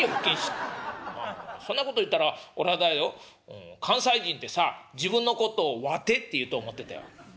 もうそんなこと言ったら俺あれだよ関西人ってさ自分のことを『わて』っていうと思ってたよ」。